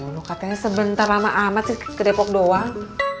katanya sebentar lama amat sih ke depok doang